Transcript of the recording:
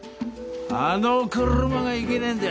あの車がいけねえんだ。